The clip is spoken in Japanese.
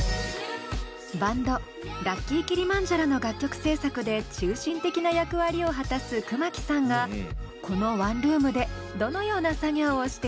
バンドＬｕｃｋｙＫｉｌｉｍａｎｊａｒｏの楽曲制作で中心的な役割を果たす熊木さんがこのワンルームでどのような作業をしているのか？